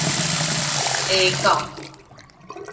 啞口